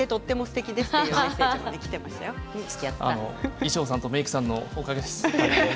衣装さんとメークさんのおかげです。